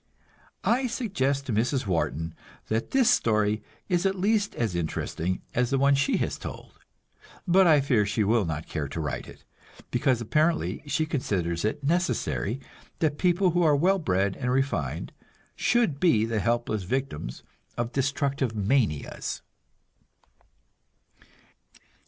I suggest to Mrs. Wharton that this story is at least as interesting as the one she has told; but I fear she will not care to write it, because apparently she considers it necessary that people who are well bred and refined should be the helpless victims of destructive manias.